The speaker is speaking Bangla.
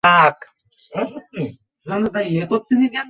আপাতত আইনের মধ্যে কনুই রেখে আন্তর্জাতিক ক্রিকেটে ফিরতে তাঁর কোনো সমস্যা নেই।